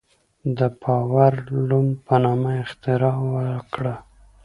د پاور لوم په نامه اختراع وکړه.